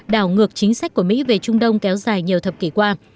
đảo ngược chính sách của mỹ về trung đông kéo dài nhiều thập kỷ qua